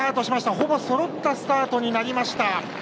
ほぼそろったスタートになりました。